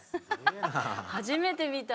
初めて見た。